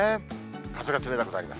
風が冷たくなります。